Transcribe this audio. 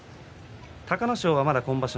隆の勝は今場所